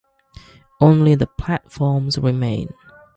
Only the platforms remain.